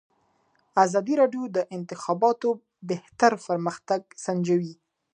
ازادي راډیو د د انتخاباتو بهیر پرمختګ سنجولی.